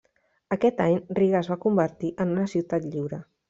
Aquest any, Riga es va convertir en una ciutat lliure.